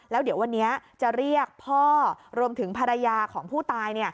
แล้วเดี๋ยววันนี้จะเรียกพ่อรวมถึงภรรยาของผู้ตาย